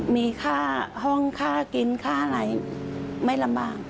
มีค่าห้องค่ากินค่าอะไรไม่ลำบาก